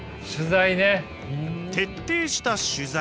徹底した取材。